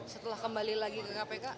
setelah kembali lagi ke kpk